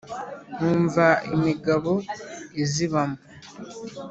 Nkumva imigabo izibamo